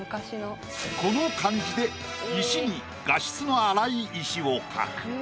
この感じで石に画質の粗い石を描く。